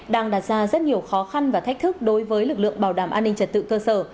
đang đặt ra rất nhiều khó khăn và thách thức đối với lực lượng bảo đảm an ninh trật tự cơ sở